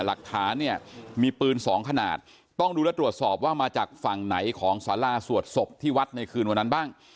หลักฐานเนี่ยมีปืนสองขนาดต้องดูและตรวจสอบว่ามาจากฝั่งไหนของสาราสวดศพที่วัดในคืนวันนั้นบ้าง